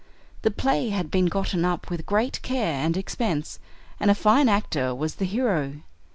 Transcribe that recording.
The play had been gotten up with great care and expense, and a fine actor was the hero.